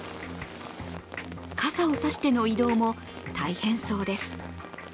傘を差しての移動も大変そうです。